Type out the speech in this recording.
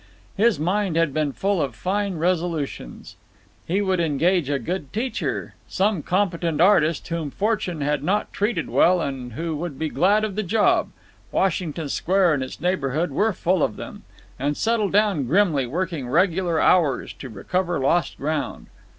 His mind had been full of fine resolutions. He would engage a good teacher, some competent artist whom fortune had not treated well and who would be glad of the job—Washington Square and its neighbourhood were full of them—and settle down grimly, working regular hours, to recover lost ground.